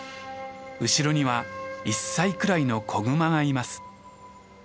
後ろには１歳くらいの子グマがいます。